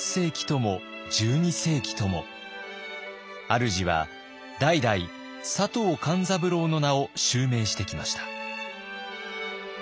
あるじは代々佐藤勘三郎の名を襲名してきました。